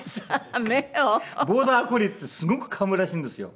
ボーダーコリーってすごくかむらしいんですよ。